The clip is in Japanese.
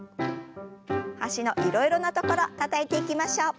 脚のいろいろな所たたいていきましょう。